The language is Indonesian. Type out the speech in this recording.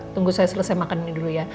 tunggu saya selesai makan ini dulu ya